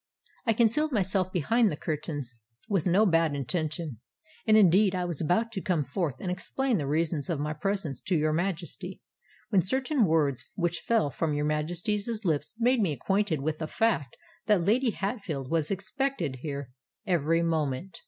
I concealed myself behind the curtains—with no bad intention; and indeed I was about to come forth and explain the reasons of my presence to your Majesty, when certain words which fell from your Majesty's lips made me acquainted with the fact that Lady Hatfield was expected here every moment.